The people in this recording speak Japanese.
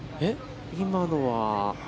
今のは？